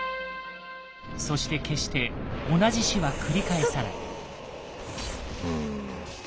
そして決して同じ死は繰り返さない。